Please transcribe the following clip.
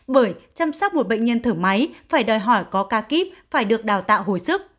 bởi chăm sóc một bệnh nhân thở máy phải đòi hỏi có ca kíp phải được đào tạo hồi sức